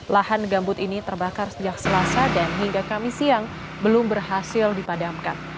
lahan gambut ini terbakar sejak selasa dan hingga kami siang belum berhasil dipadamkan